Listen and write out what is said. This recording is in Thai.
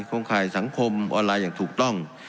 โครงข่ายสังคมออนไลน์อย่างถูกต้อง